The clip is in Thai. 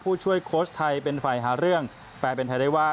ผู้ช่วยโค้ชไทยเป็นฝ่ายหาเรื่องแปลเป็นไทยได้ว่า